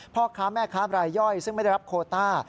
พ่อค้าแม่ค้าบรายย่อยซึ่งไม่ได้รับโคต้า